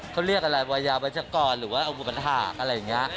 เขาเรียกอะไรวัยยาวัชกรหรือว่าอุปถาคอะไรอย่างนี้